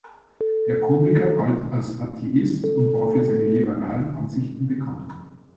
Der Komiker galt als Atheist und war für seine liberalen Ansichten bekannt.